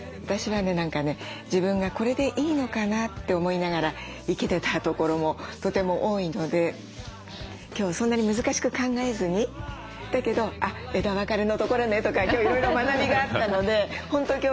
私はね何かね自分がこれでいいのかな？って思いながら生けてたところもとても多いので今日そんなに難しく考えずにだけど「あっ枝分かれのところね」とか今日いろいろ学びがあったので本当